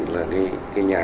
là cái nhà